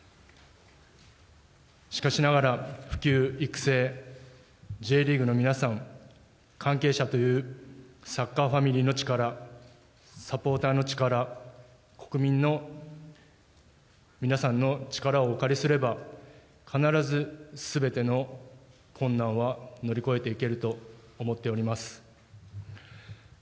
しかしながら、普及、育成、Ｊリーグの皆さん、関係者というサッカーファミリーの力、サポーターの力、国民の皆さんの力をお借りすれば、必ずすべての困難は乗り越えていけると思っております。